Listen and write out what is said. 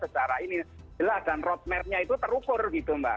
secara ini lah dan road mapnya itu terukur gitu mbak